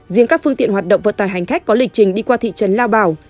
riêng các phương tiện hoạt động vận tải hành khách có lịch trình đi qua thị trấn lao bào